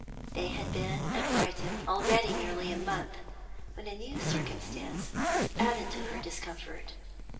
They had been at Brighton already nearly a month, when a new circumstance was added to her discomfort.